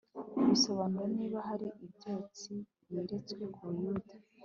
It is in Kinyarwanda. bisobanuro niba hari ibyotsi yeretswe ku buyuda